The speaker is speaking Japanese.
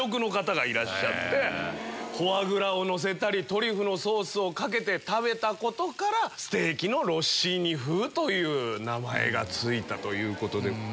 フォアグラをのせたりトリュフのソースをかけて食べたことからステーキのロッシーニ風という名前が付いたということです。